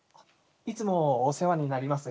いつもお世話になります